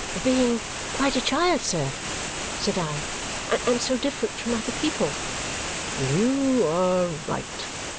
"Being quite a child, sir," said I, "and so different from other people " "You are right!"